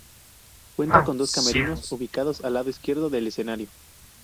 Cuenta con dos camerinos ubicados al lado izquierdo del escenario.